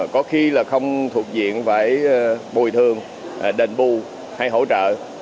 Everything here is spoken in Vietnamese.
có khi là không thuộc diện phải bồi thường đền bù hay hỗ trợ